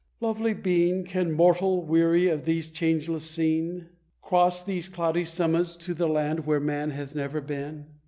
"Lovely Being, can a mortal, weary of this changeless scene, Cross these cloudy summits to the land where man hath never been?